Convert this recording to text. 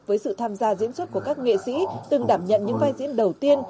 với sự tham gia diễn xuất của các nghệ sĩ từng đảm nhận những vai diễn đầu tiên